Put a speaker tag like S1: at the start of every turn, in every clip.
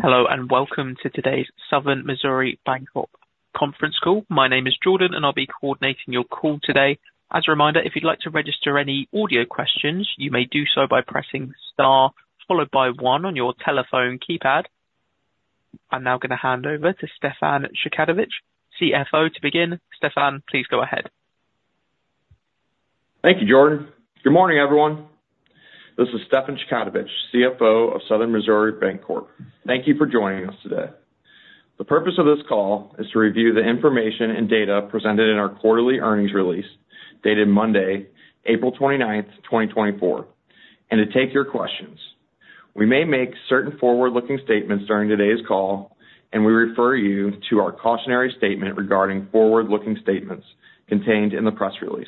S1: Hello, and welcome to today's Southern Missouri Bancorp Conference call. My name is Jordan, and I'll be coordinating your call today. As a reminder, if you'd like to register any audio questions, you may do so by pressing star followed by one on your telephone keypad. I'm now going to hand over to Stefan Chkautovich, CFO, to begin. Stefan, please go ahead.
S2: Thank you, Jordan. Good morning, everyone. This is Stefan Chkautovich, CFO of Southern Missouri Bancorp. Thank you for joining us today. The purpose of this call is to review the information and data presented in our quarterly earnings release, dated Monday, April 29th, 2024, and to take your questions. We may make certain forward-looking statements during today's call, and we refer you to our cautionary statement regarding forward-looking statements contained in the press release.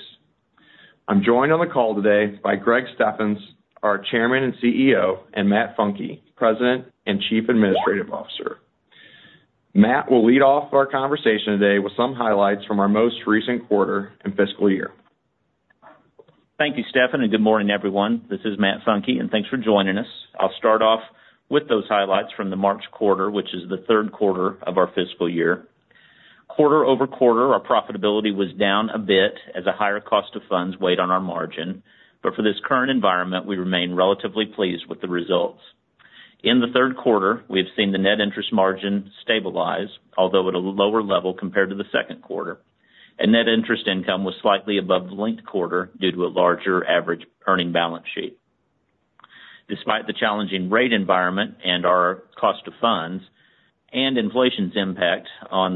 S2: I'm joined on the call today by Greg Steffens, our Chairman and CEO, and Matt Funke, President and Chief Administrative Officer. Matt will lead off our conversation today with some highlights from our most recent quarter and fiscal year.
S3: Thank you, Stefan, and good morning, everyone. This is Matt Funke, and thanks for joining us. I'll start off with those highlights from the March quarter, which is the third quarter of our fiscal year. Quarter-over-quarter, our profitability was down a bit as a higher cost of funds weighed on our margin, but for this current environment, we remain relatively pleased with the results. In the third quarter, we have seen the net interest margin stabilize, although at a lower level compared to the second quarter, and net interest income was slightly above the linked quarter due to a larger average earning balance sheet. Despite the challenging rate environment and our cost of funds and inflation's impact on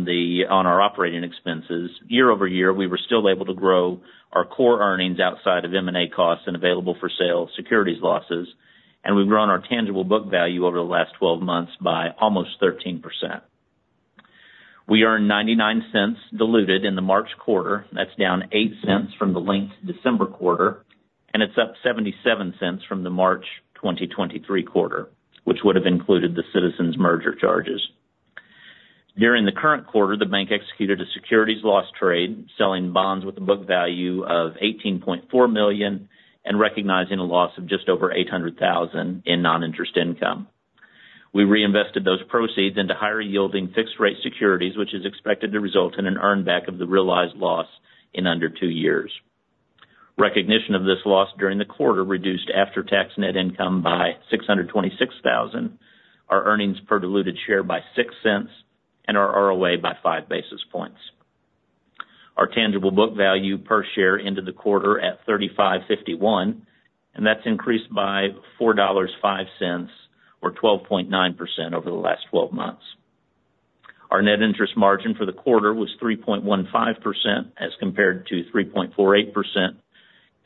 S3: our operating expenses, year-over-year, we were still able to grow our core earnings outside of M&A costs and available-for-sale securities losses, and we've grown our tangible book value over the last 12 months by almost 13%. We earned $0.99 diluted in the March quarter. That's down $0.08 from the linked December quarter, and it's up $0.77 from the March 2023 quarter, which would have included the Citizens merger charges. During the current quarter, the bank executed a securities loss trade, selling bonds with a book value of $18.4 million and recognizing a loss of just over $800,000 in non-interest income. We reinvested those proceeds into higher-yielding fixed-rate securities, which is expected to result in an earn back of the realized loss in under two years. Recognition of this loss during the quarter reduced after-tax net income by $626,000, our earnings per diluted share by $0.06, and our ROA by 5 basis points. Our tangible book value per share ended the quarter at $35.51, and that's increased by $4.05 or 12.9% over the last twelve months. Our net interest margin for the quarter was 3.15% as compared to 3.48%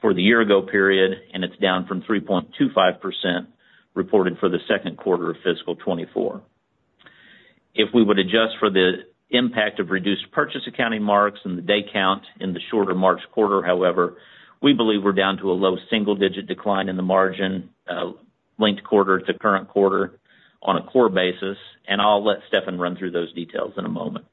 S3: for the year ago period, and it's down from 3.25%, reported for the second quarter of fiscal 2024. If we would adjust for the impact of reduced purchase accounting marks and the day count in the shorter March quarter, however, we believe we're down to a low single-digit decline in the margin, linked quarter to current quarter on a core basis, and I'll let Stefan run through those details in a moment.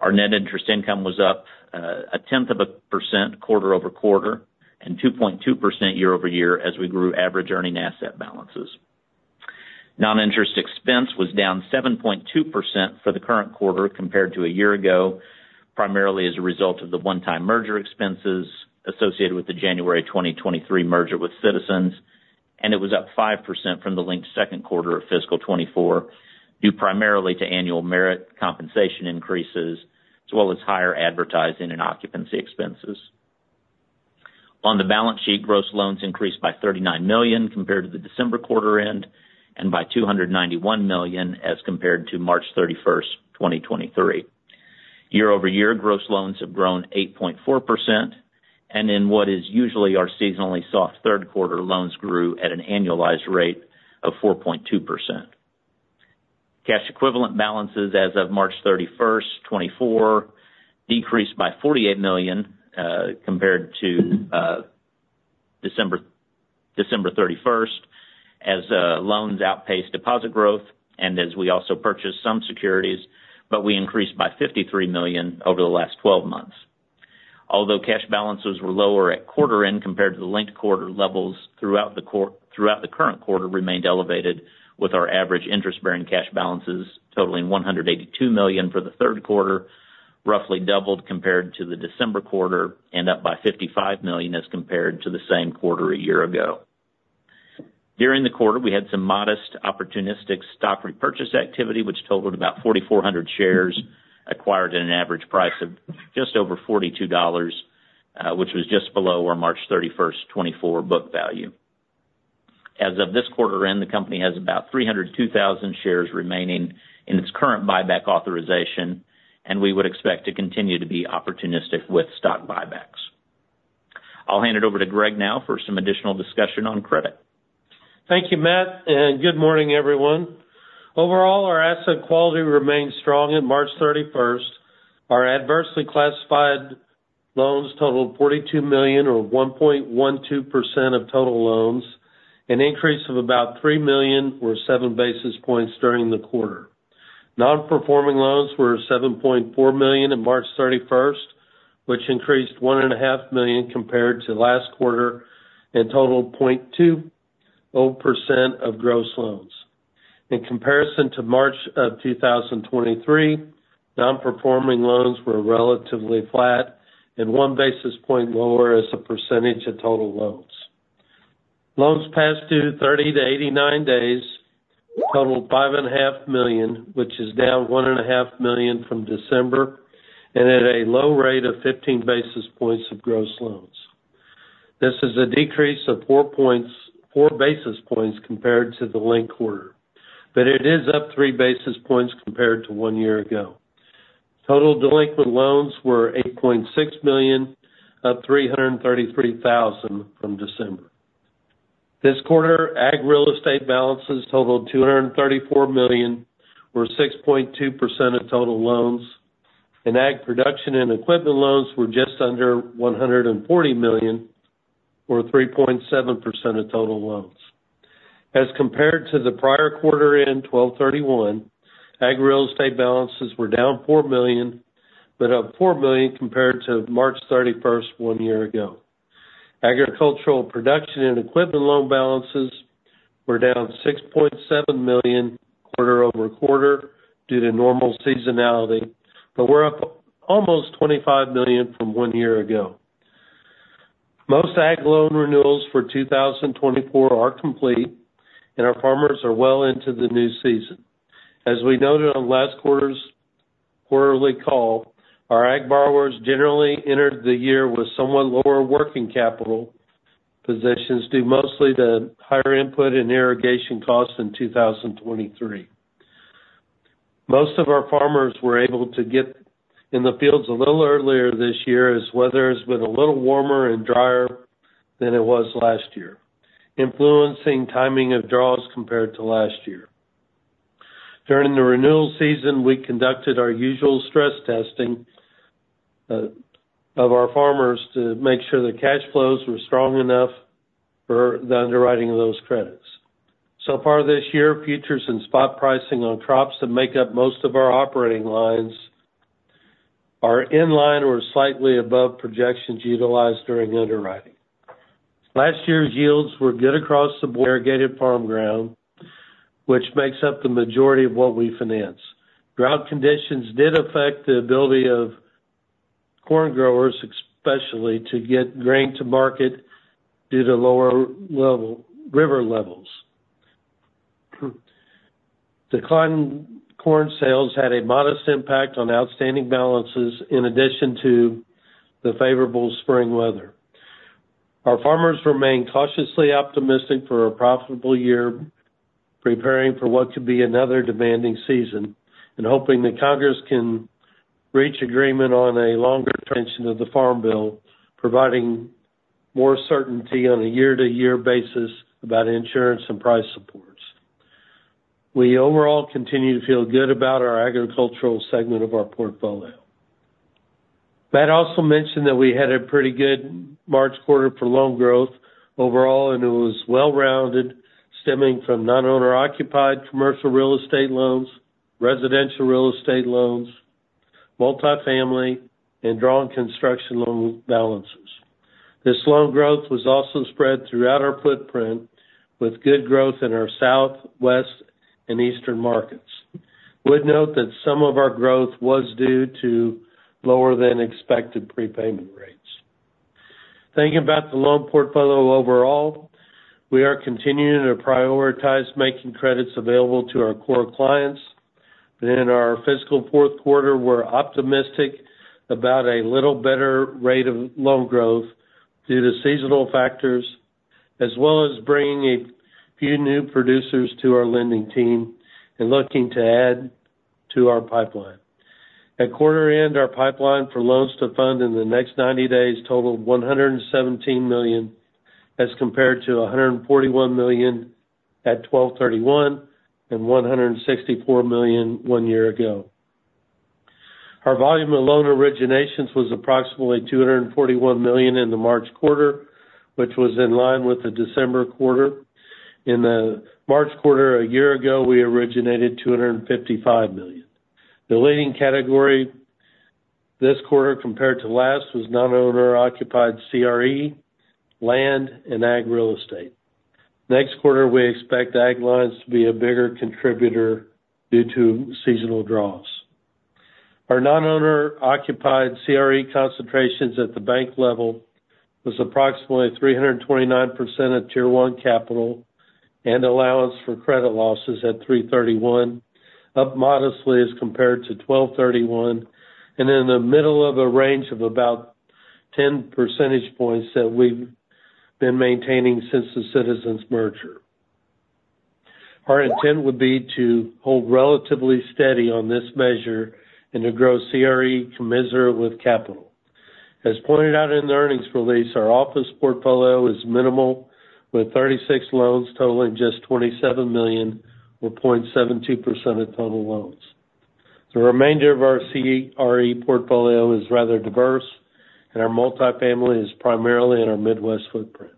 S3: Our net interest income was up, a tenth of a percent quarter-over-quarter and 2.2% year-over-year as we grew average earning asset balances. Non-interest expense was down 7.2% for the current quarter compared to a year ago, primarily as a result of the one-time merger expenses associated with the January 2023 merger with Citizens, and it was up 5% from the linked second quarter of fiscal 2024, due primarily to annual merit compensation increases, as well as higher advertising and occupancy expenses. On the balance sheet, gross loans increased by $39 million compared to the December quarter end, and by $291 million as compared to March 31, 2023. Year-over-year, gross loans have grown 8.4%, and in what is usually our seasonally soft third quarter, loans grew at an annualized rate of 4.2%. Cash equivalent balances as of March 31, 2024, decreased by $48 million compared to December 31, as loans outpaced deposit growth and as we also purchased some securities, but we increased by $53 million over the last twelve months. Although cash balances were lower at quarter end compared to the linked quarter levels throughout the current quarter remained elevated, with our average interest-bearing cash balances totaling $182 million for the third quarter, roughly doubled compared to the December quarter, and up by $55 million as compared to the same quarter a year ago. During the quarter, we had some modest opportunistic stock repurchase activity, which totaled about 4,400 shares, acquired at an average price of just over $42, which was just below our March 31, 2024 book value. As of this quarter end, the company has about 302,000 shares remaining in its current buyback authorization, and we would expect to continue to be opportunistic with stock buybacks. I'll hand it over to Greg now for some additional discussion on credit.
S4: Thank you, Matt, and good morning, everyone. Overall, our asset quality remains strong at March 31st. Our adversely classified loans totaled $42 million, or 1.12% of total loans, an increase of about $3 million, or seven basis points during the quarter.... Nonperforming loans were $7.4 million on March 31st, which increased $1.5 million compared to last quarter and totaled 0.20% of gross loans. In comparison to March 2023, nonperforming loans were relatively flat and one basis point lower as a percentage of total loans. Loans past due 30 to 89 days totaled $5.5 million, which is down $1.5 million from December and at a low rate of 15 basis points of gross loans. This is a decrease of four basis points compared to the linked quarter, but it is up three basis points compared to one year ago. Total delinquent loans were $8.6 million, up $333,000 from December. This quarter, ag real estate balances totaled $234 million, or 6.2% of total loans, and ag production and equipment loans were just under $140 million, or 3.7% of total loans. As compared to the prior quarter end, 12/31, ag real estate balances were down $4 million, but up $4 million compared to March 31, one year ago. Agricultural production and equipment loan balances were down $6.7 million quarter-over-quarter due to normal seasonality, but were up almost $25 million from one year ago. Most ag loan renewals for 2024 are complete, and our farmers are well into the new season. As we noted on last quarter's quarterly call, our ag borrowers generally entered the year with somewhat lower working capital positions, due mostly to higher input and irrigation costs in 2023. Most of our farmers were able to get in the fields a little earlier this year, as weather has been a little warmer and drier than it was last year, influencing timing of draws compared to last year. During the renewal season, we conducted our usual stress testing of our farmers to make sure their cash flows were strong enough for the underwriting of those credits. So far this year, futures and spot pricing on crops that make up most of our operating lines are in line or slightly above projections utilized during underwriting. Last year's yields were good across the board, irrigated farm ground, which makes up the majority of what we finance. Drought conditions did affect the ability of corn growers, especially to get grain to market due to lower river levels. Declined corn sales had a modest impact on outstanding balances in addition to the favorable spring weather. Our farmers remain cautiously optimistic for a profitable year, preparing for what could be another demanding season and hoping that Congress can reach agreement on a longer extension of the Farm Bill, providing more certainty on a year-to-year basis about insurance and price supports. We overall continue to feel good about our agricultural segment of our portfolio. Matt also mentioned that we had a pretty good March quarter for loan growth overall, and it was well-rounded, stemming from non-owner occupied commercial real estate loans, residential real estate loans, multifamily, and drawing construction loan balances. This loan growth was also spread throughout our footprint, with good growth in our South, West, and Eastern markets. Would note that some of our growth was due to lower than expected prepayment rates. Thinking about the loan portfolio overall, we are continuing to prioritize making credits available to our core clients. In our fiscal fourth quarter, we're optimistic about a little better rate of loan growth due to seasonal factors, as well as bringing a few new producers to our lending team and looking to add to our pipeline. At quarter end, our pipeline for loans to fund in the next 90 days totaled $117 million, as compared to $141 million at 12/31, and $164 million one year ago. Our volume of loan originations was approximately $241 million in the March quarter, which was in line with the December quarter. In the March quarter a year ago, we originated $255 million. The leading category this quarter compared to last was non-owner-occupied CRE, land, and ag real estate. Next quarter, we expect ag loans to be a bigger contributor due to seasonal draws. Our non-owner-occupied CRE concentrations at the bank level was approximately 329% of Tier One capital, and allowance for credit losses at 331%, up modestly as compared to 12/31, and in the middle of a range of about 10 percentage points that we've been maintaining since the Citizens merger. Our intent would be to hold relatively steady on this measure and to grow CRE commensurate with capital. As pointed out in the earnings release, our office portfolio is minimal, with 36 loans totaling just $27 million, or 0.72% of total loans. The remainder of our CRE portfolio is rather diverse, and our multifamily is primarily in our Midwest footprint....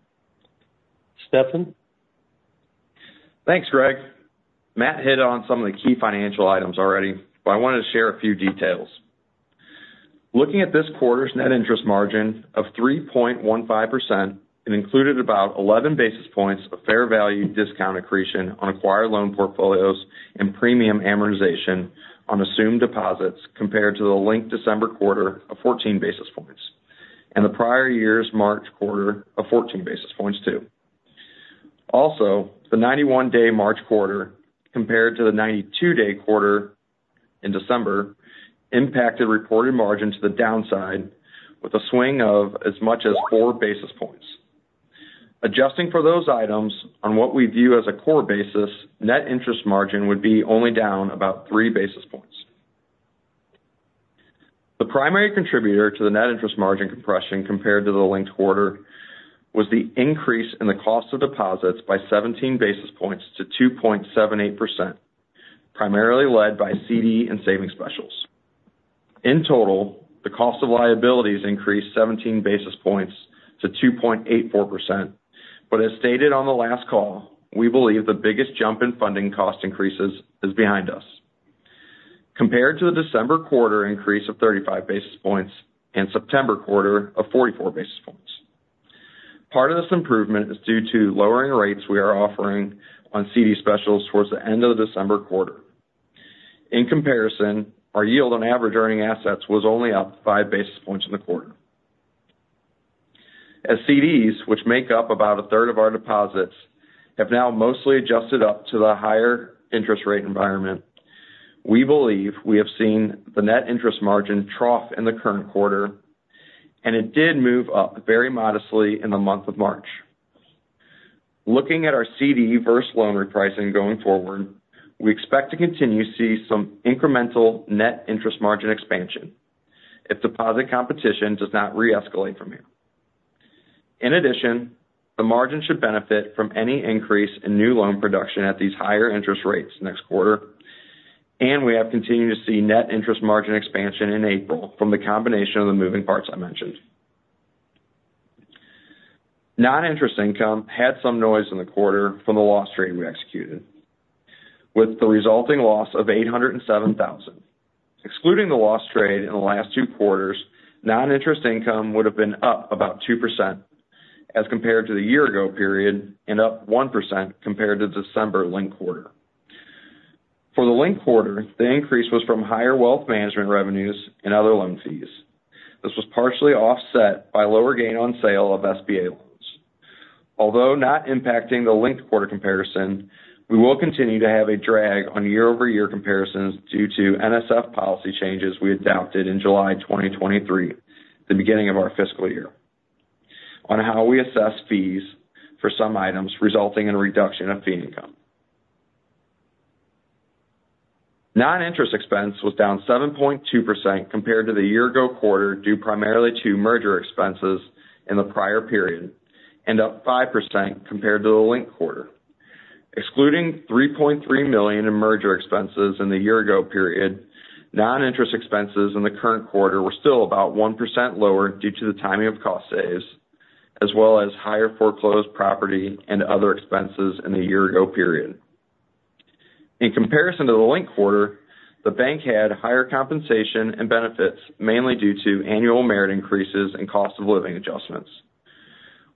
S4: Stefan?
S2: Thanks, Greg. Matt hit on some of the key financial items already, but I wanted to share a few details. Looking at this quarter's net interest margin of 3.15%, it included about 11 basis points of fair value discount accretion on acquired loan portfolios and premium amortization on assumed deposits, compared to the linked December quarter of 14 basis points, and the prior year's March quarter of 14 basis points, too. Also, the 91-day March quarter, compared to the 92-day quarter in December, impacted reported margin to the downside with a swing of as much as 4 basis points. Adjusting for those items on what we view as a core basis, net interest margin would be only down about 3 basis points. The primary contributor to the net interest margin compression compared to the linked quarter was the increase in the cost of deposits by 17 basis points to 2.78%, primarily led by CD and savings specials. In total, the cost of liabilities increased 17 basis points to 2.84%. But as stated on the last call, we believe the biggest jump in funding cost increases is behind us, compared to the December quarter increase of 35 basis points and September quarter of 44 basis points. Part of this improvement is due to lowering rates we are offering on CD specials towards the end of the December quarter. In comparison, our yield on average earning assets was only up 5 basis points in the quarter. As CDs, which make up about a third of our deposits, have now mostly adjusted up to the higher interest rate environment, we believe we have seen the net interest margin trough in the current quarter, and it did move up very modestly in the month of March. Looking at our CD versus loan repricing going forward, we expect to continue to see some incremental net interest margin expansion if deposit competition does not re-escalate from here. In addition, the margin should benefit from any increase in new loan production at these higher interest rates next quarter, and we have continued to see net interest margin expansion in April from the combination of the moving parts I mentioned. Non-interest income had some noise in the quarter from the loss trade we executed, with the resulting loss of $807,000. Excluding the loss trade in the last two quarters, non-interest income would have been up about 2% as compared to the year ago period, and up 1% compared to the December linked quarter. For the linked quarter, the increase was from higher wealth management revenues and other loan fees. This was partially offset by lower gain on sale of SBA loans. Although not impacting the linked quarter comparison, we will continue to have a drag on year-over-year comparisons due to NSF policy changes we adopted in July 2023, the beginning of our fiscal year, on how we assess fees for some items, resulting in a reduction of fee income. Non-interest expense was down 7.2% compared to the year ago quarter, due primarily to merger expenses in the prior period, and up 5% compared to the linked quarter. Excluding $3.3 million in merger expenses in the year ago period, non-interest expenses in the current quarter were still about 1% lower due to the timing of cost saves, as well as higher foreclosed property and other expenses in the year ago period. In comparison to the linked quarter, the bank had higher compensation and benefits, mainly due to annual merit increases and cost of living adjustments.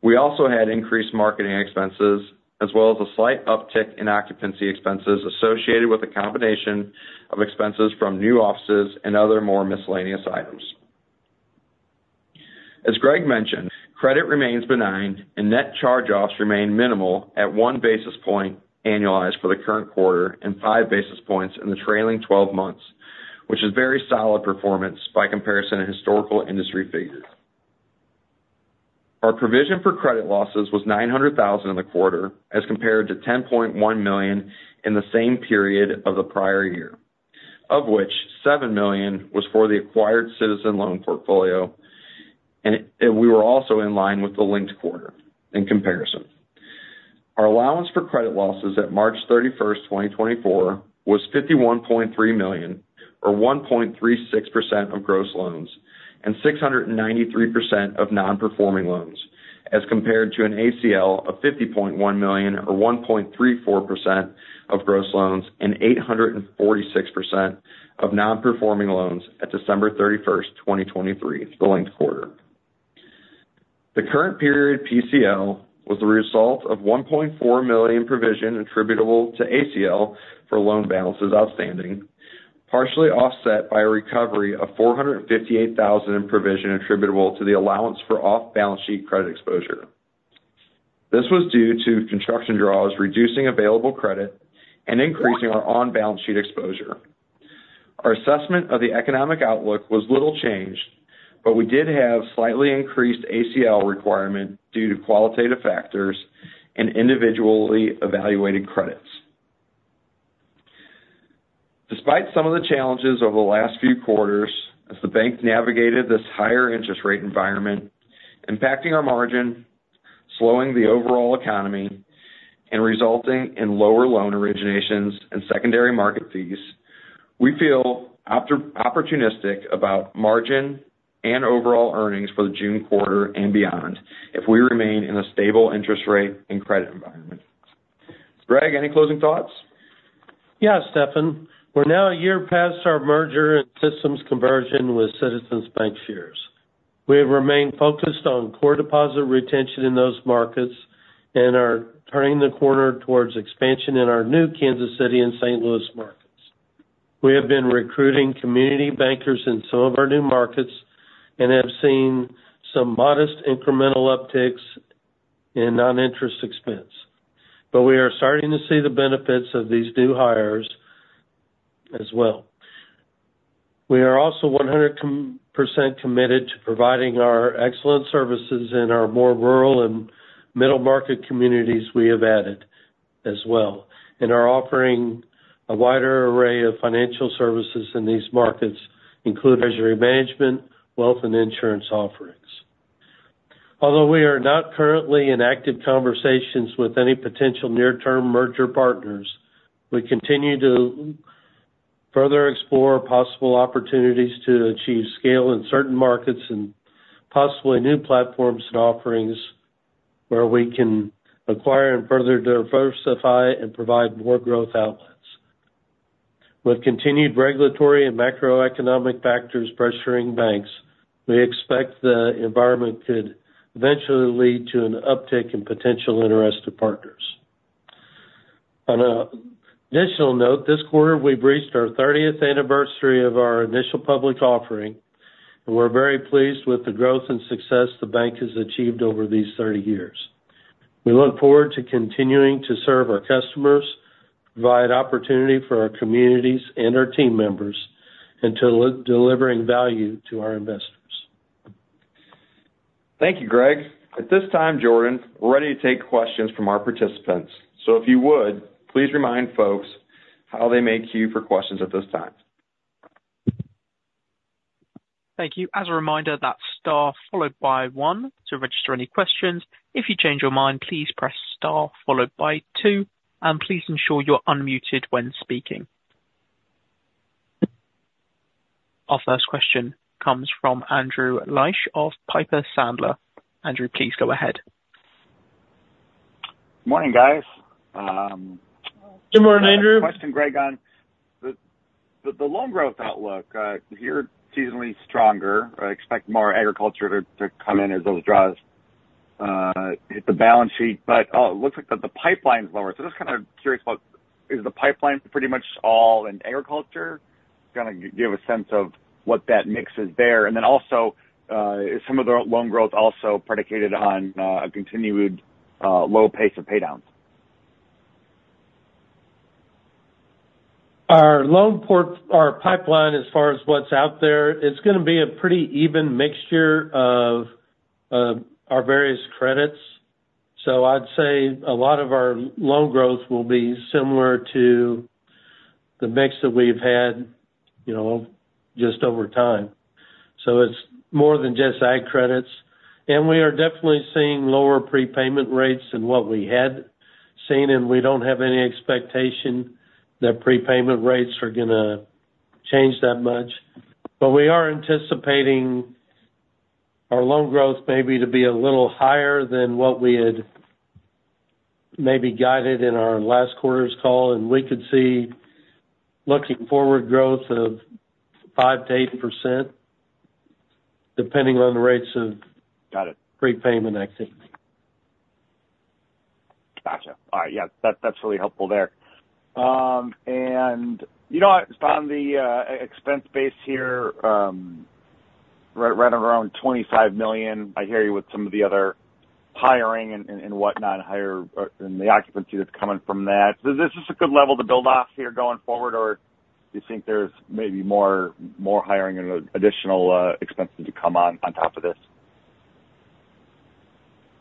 S2: We also had increased marketing expenses, as well as a slight uptick in occupancy expenses associated with a combination of expenses from new offices and other more miscellaneous items. As Greg mentioned, credit remains benign and net charge-offs remain minimal at 1 basis point annualized for the current quarter and 5 basis points in the trailing twelve months, which is very solid performance by comparison to historical industry figures. Our provision for credit losses was $900,000 in the quarter, as compared to $10.1 million in the same period of the prior year, of which $7 million was for the acquired Citizens loan portfolio, and we were also in line with the linked quarter in comparison. Our allowance for credit losses at March 31, 2024, was $51.3 million, or 1.36% of gross loans, and 693% of non-performing loans, as compared to an ACL of $50.1 million, or 1.34% of gross loans, and 846% of non-performing loans at December 31, 2023, the linked quarter. The current period PCL was the result of $1.4 million provision attributable to ACL for loan balances outstanding, partially offset by a recovery of $458,000 in provision attributable to the allowance for off-balance sheet credit exposure. This was due to construction draws, reducing available credit and increasing our on-balance sheet exposure. Our assessment of the economic outlook was little changed, but we did have slightly increased ACL requirement due to qualitative factors and individually evaluated credits. Despite some of the challenges over the last few quarters, as the bank navigated this higher interest rate environment, impacting our margin, slowing the overall economy, and resulting in lower loan originations and secondary market fees.... We feel opportunistic about margin and overall earnings for the June quarter and beyond, if we remain in a stable interest rate and credit environment. Greg, any closing thoughts?
S4: Yeah, Stefan. We're now a year past our merger and systems conversion with Citizens Bancshares. We have remained focused on core deposit retention in those markets and are turning the corner towards expansion in our new Kansas City and St. Louis markets. We have been recruiting community bankers in some of our new markets and have seen some modest incremental upticks in non-interest expense, but we are starting to see the benefits of these new hires as well. We are also 100% committed to providing our excellent services in our more rural and middle market communities we have added as well, and are offering a wider array of financial services in these markets, including treasury management, wealth and insurance offerings. Although we are not currently in active conversations with any potential near-term merger partners, we continue to further explore possible opportunities to achieve scale in certain markets and possibly new platforms and offerings where we can acquire and further diversify and provide more growth outlets. With continued regulatory and macroeconomic factors pressuring banks, we expect the environment could eventually lead to an uptick in potential interest of partners. On an additional note, this quarter, we've reached our 30th anniversary of our initial public offering, and we're very pleased with the growth and success the bank has achieved over these 30 years. We look forward to continuing to serve our customers, provide opportunity for our communities and our team members, and to delivering value to our investors.
S3: Thank you, Greg. At this time, Jordan, we're ready to take questions from our participants. So if you would, please remind folks how they may queue for questions at this time.
S1: Thank you. As a reminder, that's star followed by one to register any questions. If you change your mind, please press star followed by two, and please ensure you're unmuted when speaking. Our first question comes from Andrew Liesch of Piper Sandler. Andrew, please go ahead.
S5: Morning, guys,
S4: Good morning, Andrew.
S5: Question, Greg, on the loan growth outlook. You're seasonally stronger. I expect more agriculture to come in as those draws hit the balance sheet, but it looks like that the pipeline's lower. So just kind of curious about, is the pipeline pretty much all in agriculture? Kind of give a sense of what that mix is there. And then also, is some of the loan growth also predicated on a continued low pace of pay downs?
S4: Our pipeline, as far as what's out there, it's gonna be a pretty even mixture of our various credits. So I'd say a lot of our loan growth will be similar to the mix that we've had, you know, just over time. So it's more than just ag credits, and we are definitely seeing lower prepayment rates than what we had seen, and we don't have any expectation that prepayment rates are gonna change that much. But we are anticipating our loan growth maybe to be a little higher than what we had maybe guided in our last quarter's call, and we could see, looking forward, growth of 5%-8%, depending on the rates of-
S5: Got it.
S4: Prepayment activity.
S5: Gotcha. All right. Yeah, that's really helpful there. And, you know, on the expense base here, right around $25 million, I hear you with some of the other hiring and whatnot, and the occupancy that's coming from that. Is this just a good level to build off here going forward? Or do you think there's maybe more hiring and additional expenses to come on top of this?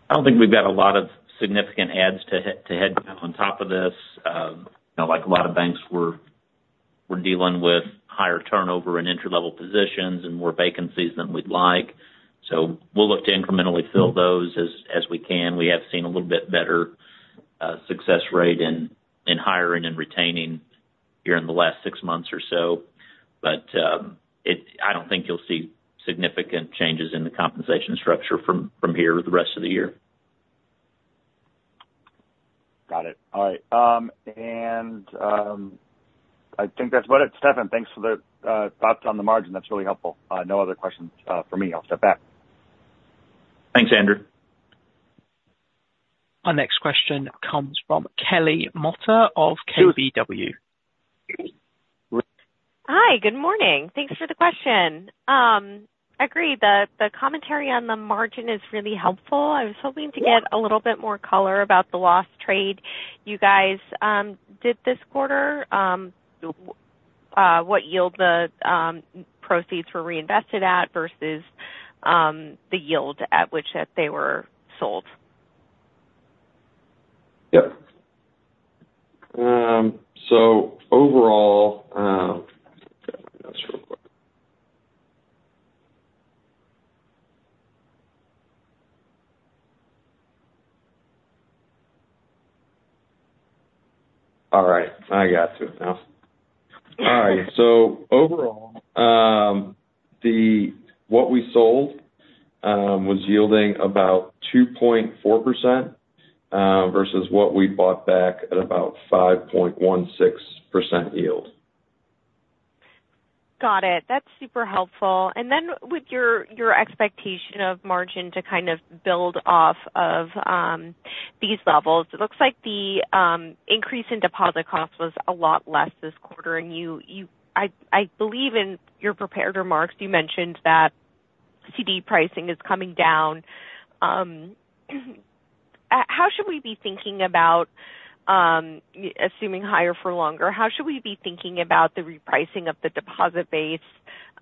S3: I don't think we've got a lot of significant adds to headcount on top of this. You know, like a lot of banks, we're dealing with higher turnover in entry-level positions and more vacancies than we'd like. So we'll look to incrementally fill those as we can. We have seen a little bit better success rate in hiring and retaining during the last six months or so. But I don't think you'll see significant changes in the compensation structure from here to the rest of the year.
S5: Got it. All right. And I think that's about it. Stefan, thanks for the thoughts on the margin. That's really helpful. No other questions for me. I'll step back.
S3: Thanks, Andrew.
S1: Our next question comes from Kelly Motta of KBW.
S6: Hi, good morning. Thanks for the question. I agree, the commentary on the margin is really helpful. I was hoping to get a little bit more color about the loss trade you guys did this quarter. What yield the proceeds were reinvested at versus the yield at which they were sold?
S3: Yep. So overall, All right, I got to it now. All right. So overall, what we sold was yielding about 2.4% versus what we bought back at about 5.16% yield.
S6: Got it. That's super helpful. And then with your expectation of margin to kind of build off of these levels, it looks like the increase in deposit costs was a lot less this quarter. And I believe in your prepared remarks, you mentioned that CD pricing is coming down. How should we be thinking about assuming higher for longer? How should we be thinking about the repricing of the deposit base,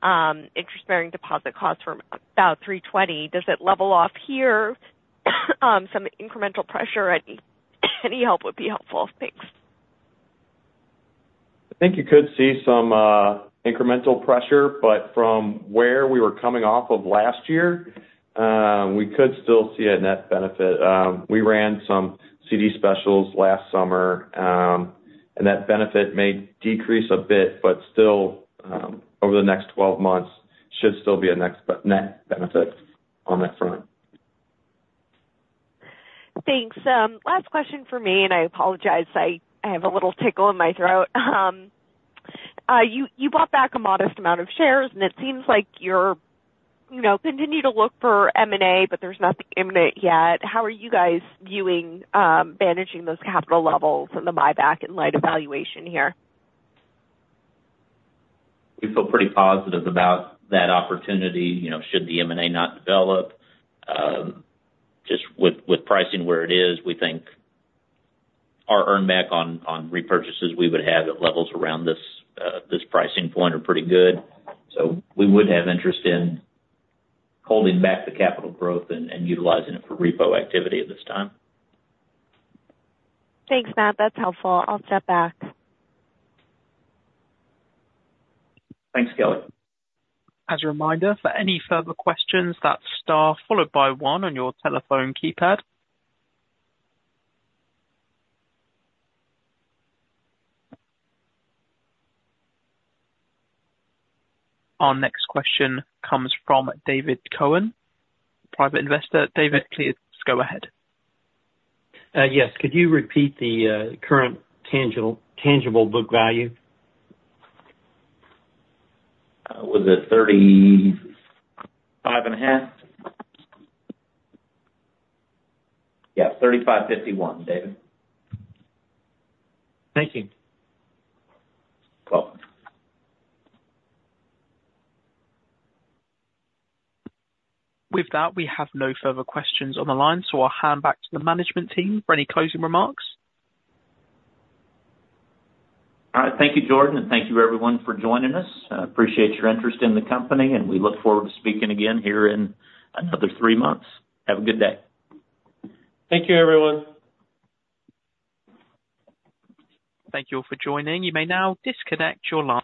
S6: interest-bearing deposit costs from about 3.20? Does it level off here? Some incremental pressure, any help would be helpful. Thanks.
S3: I think you could see some incremental pressure, but from where we were coming off of last year, we could still see a net benefit. We ran some CD specials last summer, and that benefit may decrease a bit, but still, over the next 12 months, should still be a net benefit on that front.
S6: Thanks. Last question for me, and I apologize, I have a little tickle in my throat. You bought back a modest amount of shares, and it seems like you're, you know, continue to look for M&A, but there's nothing imminent yet. How are you guys viewing managing those capital levels and the buyback in light of valuation here?
S3: We feel pretty positive about that opportunity, you know, should the M&A not develop. Just with pricing where it is, we think our earn back on repurchases we would have at levels around this pricing point are pretty good. So we would have interest in holding back the capital growth and utilizing it for repo activity at this time.
S6: Thanks, Matt. That's helpful. I'll step back.
S3: Thanks, Kelly.
S1: As a reminder, for any further questions, that's star followed by one on your telephone keypad. Our next question comes from David Cohen, private investor. David, please go ahead.
S7: Yes. Could you repeat the current tangible book value? Was it $35.5?
S3: Yeah, $35.51, David.
S7: Thank you.
S3: Welcome.
S1: With that, we have no further questions on the line, so I'll hand back to the management team for any closing remarks.
S3: All right. Thank you, Jordan, and thank you everyone for joining us. I appreciate your interest in the company, and we look forward to speaking again here in another three months. Have a good day. Thank you, everyone.
S1: Thank you all for joining. You may now disconnect your line.